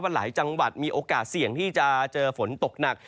หลายจังหวัดมีโอกาสเสี่ยงที่จะเจอฝนตกหนัก